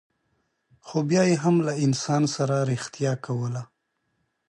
خو بیا یې هم له انسان سره رښتیا کوله.